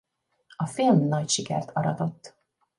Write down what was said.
A film nagy sikert aratott.